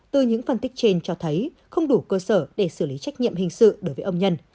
từ những phân tích trên cho thấy không đủ cơ sở để xử lý trách nhiệm hình sự đối với ông nhân